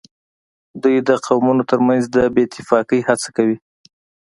دوی د قومونو ترمنځ د بې اتفاقۍ هڅه کوي